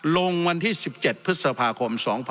ลงวันที่๑๗พฤษภาคม๒๕๖๒